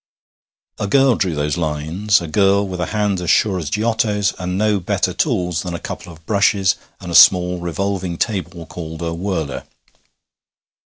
A girl drew those lines, a girl with a hand as sure as Giotto's, and no better tools than a couple of brushes and a small revolving table called a whirler.